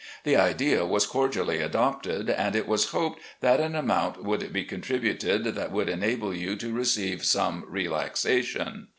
The idea was cordially adopted, and it was hoped that an amount would be contributed that would enable you to receive some relaxation.